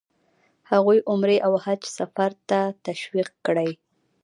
هغوی عمرې او حج سفر ته تشویق کړي.